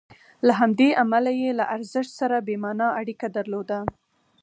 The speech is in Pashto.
له همدې امله یې له ارزښت سره بې معنا اړیکه درلوده.